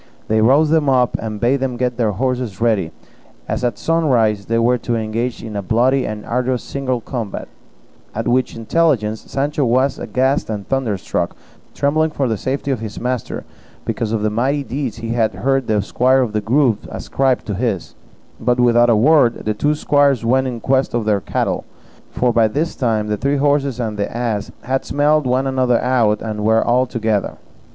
They roused them up, and bade them get the horses ready, as at sunrise they were to engage in a bloody and arduous single combat; at which intelligence Sancho was aghast and thunderstruck, trembling for the safety of his master because of the mighty deeds he had heard the squire of the Grove ascribe to his; but without a word the two squires went in quest of their cattle; for by this time the three horses and the ass had smelt one another out, and were all together.